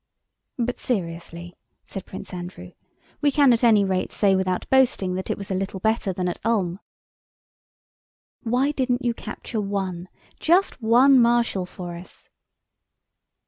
"But seriously," said Prince Andrew, "we can at any rate say without boasting that it was a little better than at Ulm..." "Why didn't you capture one, just one, marshal for us?"